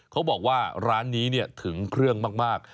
เขาบอกว่าร้านนี้ถึงเครื่องมาก